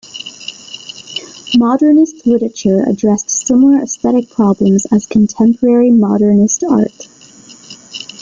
Modernist literature addressed similar aesthetic problems as contemporary modernist art.